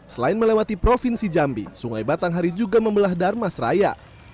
selain melewati provinsi jambi sungai batanghari juga membelah darmasraya